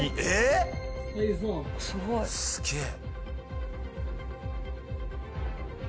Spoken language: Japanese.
すげえ。